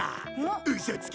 ウソつけ！